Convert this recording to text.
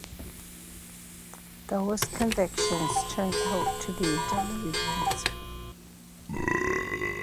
Those convictions turned out to be delusions.